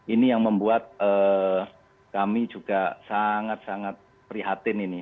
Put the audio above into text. ini yang membuat kami juga sangat sangat prihatin ini